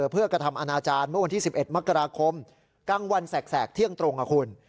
เพื่อกระทำอนาจารย์เมื่อวันที่๑๑มกราคมกลางวันแสกเที่ยงตรงกับคุณ